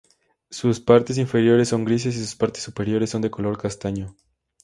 Sus partes inferiores son grises y sus partes superiores son de color castaño.